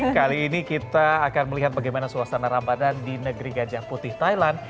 kali ini kita akan melihat bagaimana suasana ramadan di negeri gajah putih thailand